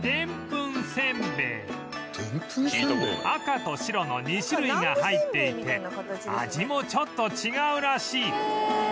赤と白の２種類が入っていて味もちょっと違うらしい